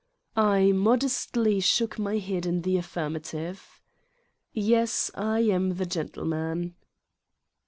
I modestly shook my head in the affirmative. "Yes, I am the gentleman."